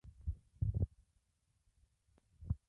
Debe su nombre a Lala Kara Mustafa Pasha, conquistador de la isla.